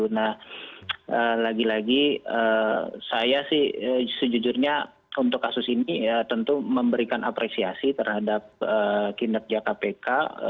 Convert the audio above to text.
nah lagi lagi saya sih sejujurnya untuk kasus ini ya tentu memberikan apresiasi terhadap kinerja kpk